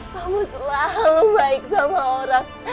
kamu selalu baik sama orang